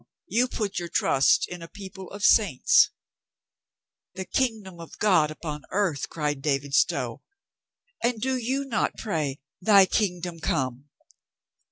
You put your trust in a people of saints —" "The Kingdom of God upon earth !" cried David Stow. "And do you not pray 'Thy Kingdom come!'"